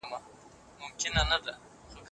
ناروغۍ د ګناهونو کفاره ده.